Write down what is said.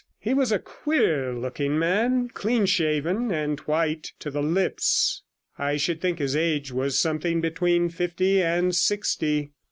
He was a queer looking man, clean shaven, and white to the lips. I should think his age was something between fifty and sixty.